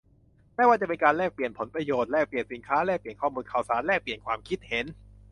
ไม่ว่าจะเป็นการแลกเปลี่ยนผลประโยชน์ แลกเปลี่ยนสินค้า แลกเปลี่ยนข้อมูลข่าวสาร แลกเปลี่ยนความคิดเห็น